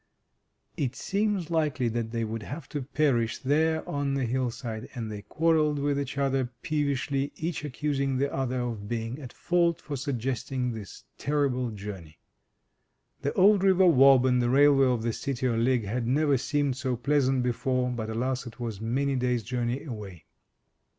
It seemed likely that they would have to perish there on the hillside, and they quarrelled with each other peevishly, each accusing the other of being at fault for suggesting this terrible journey. The old river Wob and the railway of the City o' Ligg had never seemed so pleasant before, but, alas! it was many days' journey away.